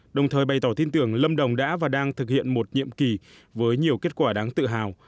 đồng thời bày tỏ tin tưởng lâm đồng đã và đang thực hiện một nhiệm kỳ với nhiều kết quả đáng tự hào